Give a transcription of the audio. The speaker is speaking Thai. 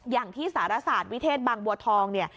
อย่างที่ศาลศาสตร์วิเทศบางบัวทอง